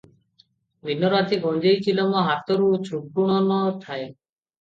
ଦିନ ରାତି ଗଞ୍ଜେଇ ଚିଲମ ହାତରୁ ଛୁଟଣ ନ ଥାଏ ।